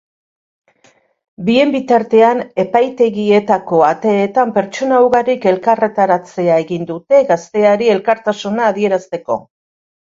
Bien bitartean, epaitegietako ateetan pertsona ugarik elkarretaratzea egin dute gazteari elkartasuna adierazteko.